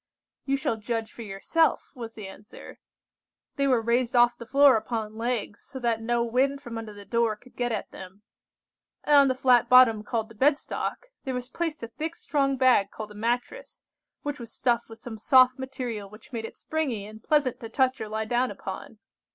"You shall judge for yourself," was the answer. "They were raised off the floor upon legs, so that no wind from under the door could get at them; and on the flat bottom called the bed stock, there was placed a thick strong bag called a mattress, which was stuffed with some soft material which made it springy and pleasant to touch or lie down upon.